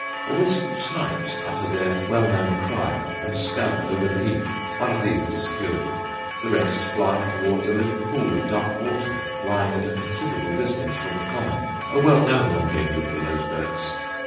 A wisp of snipes utter their well known cry and scud over the heath; one of these is secured. The rest fly towards a little pool of dark water lying at a considerable distance from the common, a well known rendezvous for those birds.